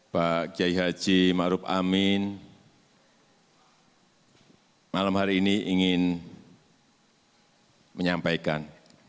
pak giyai haji ma'ruf amin malam hari ini ingin menyampaikan